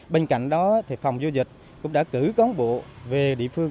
bên cạnh đó phòng giao dịch cũng đã cử cón bộ về địa phương